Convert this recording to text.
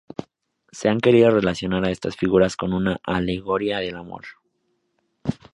Se ha querido relacionar a estas figuras con una alegoría del amor.